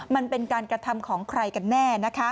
มันเป็นการกระทำของใครกันแน่นะคะ